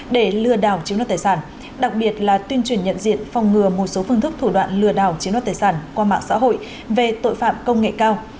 để lừa đảo chiếm đoạt tài sản đặc biệt là tuyên truyền nhận diện phòng ngừa một số phương thức thủ đoạn lừa đảo chiếm đoạt tài sản qua mạng xã hội về tội phạm công nghệ cao